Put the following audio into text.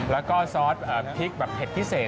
แล้วก็ซอสพริกแบบเผ็ดพิเศษ